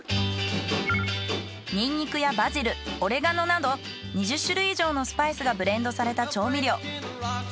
ニンニクやバジルオレガノなど２０種類以上のスパイスがブレンドされた調味料。